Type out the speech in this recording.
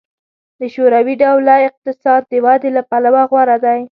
د شوروي ډوله اقتصاد د ودې له پلوه غوره دی